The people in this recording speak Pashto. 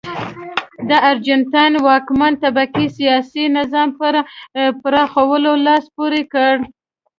د ارجنټاین واکمنې طبقې سیاسي نظام په پراخولو لاس پورې کړ.